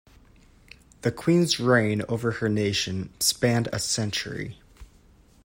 The queen’s reign over her nation spanned a century.